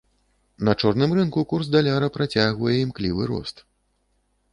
На чорным рынку курс даляра працягвае імклівы рост.